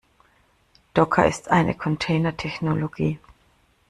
Docker ist eine Container-Technologie.